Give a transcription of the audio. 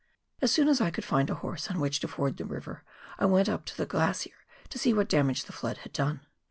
As soon as I could find a horse on which to ford the river, I went up to the glacier to see what damage the flood had done.